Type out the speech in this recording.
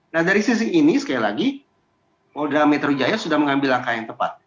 nah dari sisi ini sekali lagi polda metro jaya sudah mengambil langkah yang tepat